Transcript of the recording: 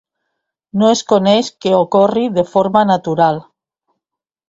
No es coneix que ocorri de forma natural.